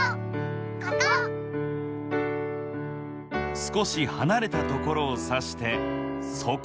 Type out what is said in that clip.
すこしはなれたところをさしてそこ！